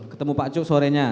ketemu pak cuk sorenya